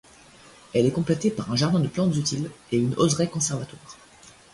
Elle est complétée par un jardin de plantes utiles et une oseraie conservatoire.